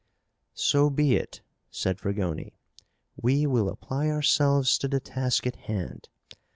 "So be it," said Fragoni. "We will apply ourselves to the task at hand.